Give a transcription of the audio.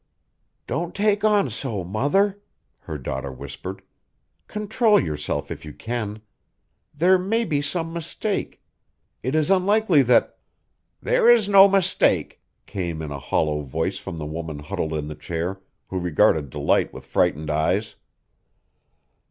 "Don't take on so, mother," her daughter whispered. "Control yourself if you can. There may be some mistake. It is unlikely that " "There is no mistake," came in a hollow voice from the woman huddled in the chair, who regarded Delight with frightened eyes.